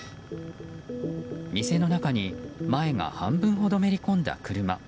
店の中に前が半分ほどめり込んだ車。